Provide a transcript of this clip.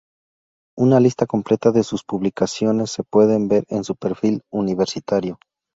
Una lista completa de sus publicaciones se pueden ver en su perfil universitario.